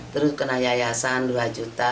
terus kena yayasan dua juta